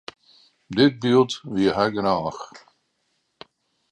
Dit byld wie har genôch.